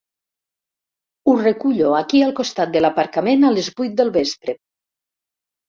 Us recullo aquí al costat de l'aparcament a les vuit del vespre.